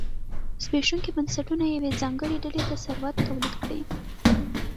زبېښونکي بنسټونه یوې ځانګړې ډلې ته ثروت تولید کړي.